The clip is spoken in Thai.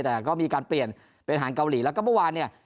แต่ก็มีการเปลี่ยนเป็นอาหารเกาหลีแล้วก็เมื่อวานเนี่ย